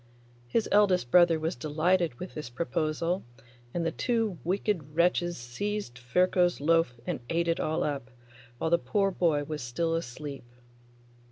His eldest brother was delighted with this proposal, and the two wicked wretches seized Ferko's loaf and ate it all up, while the poor boy was still asleep.